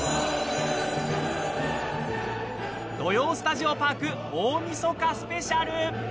「土曜スタジオパーク大みそかスペシャル」！